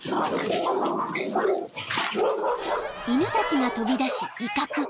・［犬たちが飛び出し威嚇］